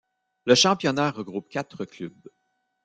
Le championnat regroupe quatre clubs.